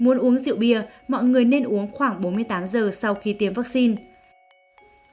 nếu muốn uống rượu bia mọi người nên uống khoảng bốn mươi tám giờ sau khi tiêm vaccine